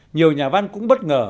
nhiều nhà văn cũng bất ngờ